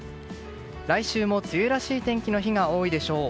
来週も、梅雨らしい天気の日が多いでしょう。